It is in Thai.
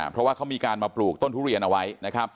เพราะว่าเขามีการมาปลูกต้นทุเรียนเอาไว้นะครับ